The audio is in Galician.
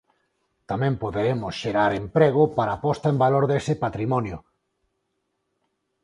Tamén poderemos xerar emprego para a posta en valor dese patrimonio.